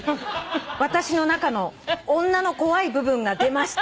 「私の中の女の怖い部分が出ました」